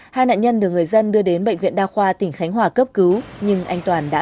hai nạn nhân được người dân đưa đến bệnh viện đa khoa tỉnh khánh hòa cấp cứu nhưng anh toàn đã